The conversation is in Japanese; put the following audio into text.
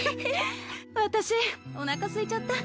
私おなかすいちゃった。